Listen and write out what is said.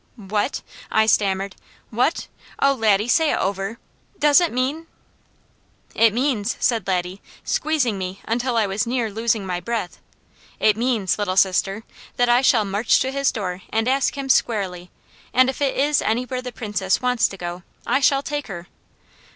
'" "What!" I stammered. "What! Oh Laddie, say it over! Does it mean ?" "It means," said Laddie, squeezing me until I was near losing my breath, "it means, Little Sister, that I shall march to his door and ask him squarely, and if it is anywhere the Princess wants to go, I shall take her."